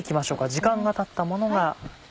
時間がたったものが。